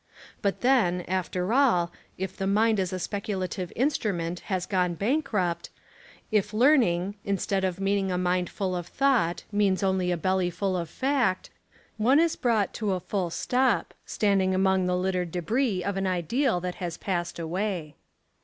But then, after all, if the mind as a speculative instrument has gone bankrupt, if learning, instead of meaning a mind full of thought, means only a bellyful of fact, one is brought to a full stop, standing among the lit tered debris of an ideal that has passed away.